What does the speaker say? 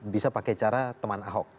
bisa pakai cara teman ahok